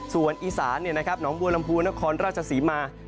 ส่วนอีสานหนองบัวลำพูนครราชศรีมา